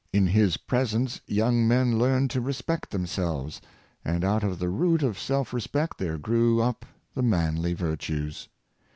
In his presence, young men learned to respect themselves, and out of the root of self respect there grew up the manly virtues.